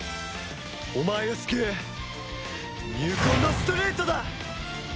お前を救う入魂のストレートだ！